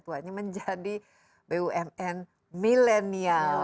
tuhannya menjadi bumn millennial